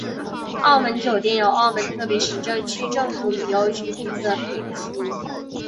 澳门酒店由澳门特别行政区政府旅游局负责评级。